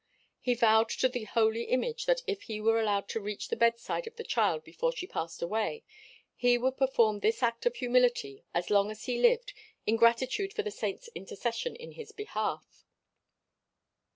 He vowed to the Holy Image that if he were allowed to reach the bedside of the child before she passed away he would perform this act of humility as long as he lived in gratitude for the saint's intercession in his behalf.